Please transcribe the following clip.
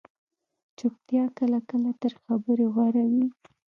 چُپتیا کله کله تر خبرې غوره وي